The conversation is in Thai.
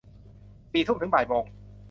สี่ทุ่ม ถึงบ่ายโมง